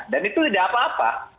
dan itu tidak apa apa